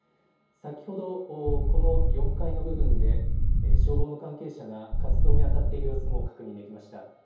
先ほどこの４階の部分で消防の関係者が活動にあたっている様子も確認できました。